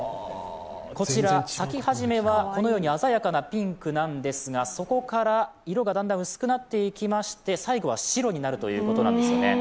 こちら、咲き始めはこのように鮮やかなピンクなんですがそこから色がだんだん薄くなっていきまして最後は白になるということなんですよね。